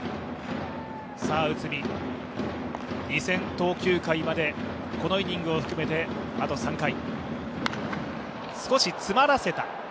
内海、２０００投球回まで、このイニングを含めてあと３回。